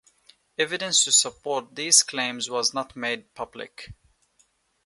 Evidence to support these claims was not made public.